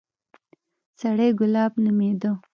سړى ګلاب نومېده.